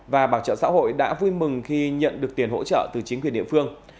và bảo trợ xã hội đã vui mừng khi nhận được tiền hỗ trợ từ chính quyền địa phương